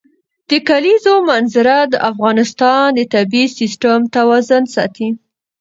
د کلیزو منظره د افغانستان د طبعي سیسټم توازن ساتي.